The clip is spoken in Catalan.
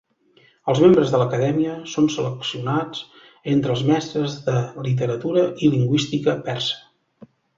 Els membres de l'acadèmia són seleccionats entre els mestres de literatura i lingüística persa.